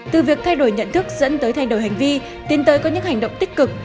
từ việc thay đổi nhận thức dẫn tới thay đổi hành vi tiến tới có những hành động tích cực